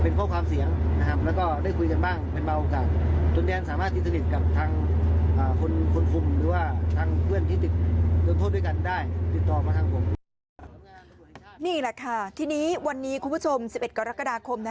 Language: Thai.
นี่แหละค่ะทีนี้วันนี้คุณผู้ชม๑๑กรกฎาคม